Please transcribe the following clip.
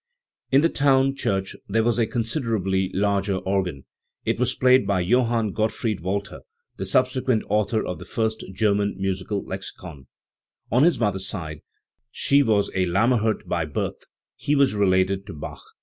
In the town church there was a considerably larger organ. It was played by Johann Gottfried Walther, the subsequent author of the first German musical lexicon. On his mother's side she was a Lammerhirt by birth, he was related to Bach.